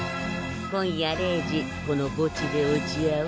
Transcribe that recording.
今夜０時この墓地で落ち合おう。